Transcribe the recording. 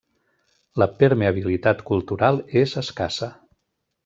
La permeabilitat cultural és escassa.